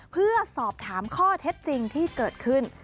เพื่อสอบถามข้อเท็จจริงที่เกิดขึ้น